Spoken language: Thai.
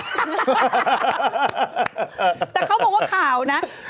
แต่เขาบอกว่าข่าวนะ